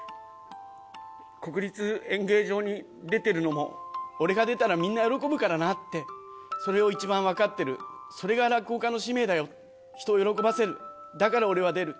国立演芸場に出てるのも、俺が出たらみんな喜ぶからなって、それを一番分かってる、それが落語家の使命だよ、人を喜ばせる、だから俺は出る。